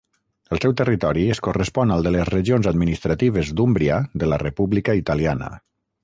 El seu territori es correspon al de les regions administratives d'Úmbria de la República Italiana.